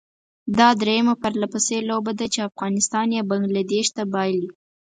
دا درېيمه پرلپسې لوبه ده چې افغانستان یې بنګله دېش ته بايلي.